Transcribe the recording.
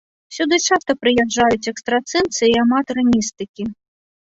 Сюды часта прыязджаюць экстрасэнсы і аматары містыкі.